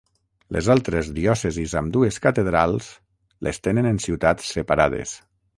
Les altres diòcesis amb dues catedrals les tenen en ciutats separades.